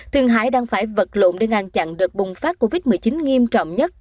thường hải đang phải vật lộn để ngăn chặn đợt bùng phát covid một mươi chín nghiêm trọng nhất